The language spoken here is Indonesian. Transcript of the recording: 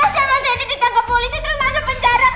kasian mas randy ditangkap polisi terus masuk penjara